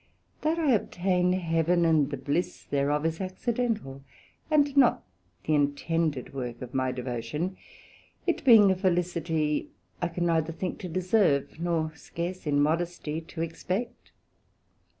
That I obtain Heaven, and the bliss thereof, is accidental, and not the intended work of my devotion; it being a felicity I can neither think to deserve, nor scarce in modesty to expect.